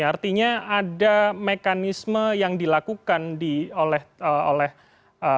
artinya ada mekanisme yang dilakukan oleh bapak kapolda metro jaya